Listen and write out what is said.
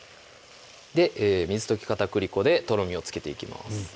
水溶き片栗粉でとろみをつけていきます